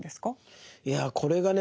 いやこれがね